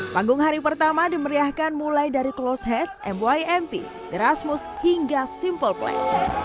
panggung hari pertama dimeriahkan mulai dari close head mymp derasmus hingga simple plan